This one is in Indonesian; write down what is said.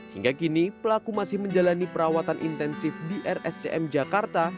hingga kini pelaku masih menjalani perawatan intensif di rscm jakarta